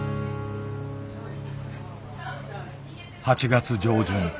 ８月上旬。